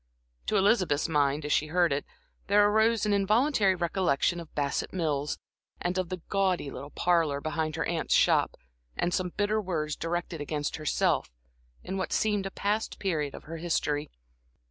To Elizabeth's mind, as she heard it, there arose an involuntary recollection of Bassett Mills, and of the gaudy little parlor behind her aunt's shop, and some bitter words directed against herself, in what seemed a past period of her history.